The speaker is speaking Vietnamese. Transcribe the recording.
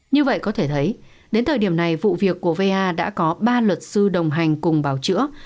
như vậy có thể thấy đến thời điểm này vụ việc của va đã có ba luật sư đồng hành cùng bào chữa